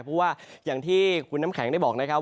เพราะว่าอย่างที่คุณน้ำแข็งได้บอกนะครับ